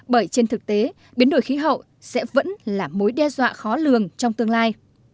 bởi trên thực tế biến đổi khí hậu sẽ vẫn là mối đe dọa khó lường trong tương lai